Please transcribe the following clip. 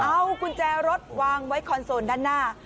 เอากุญแจรถวางไว้คอนโซลด้านหน้า